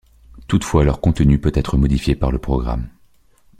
Toutefois leur contenu peut être modifié par le programme.